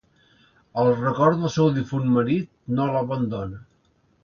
El record del seu difunt marit no l'abandona.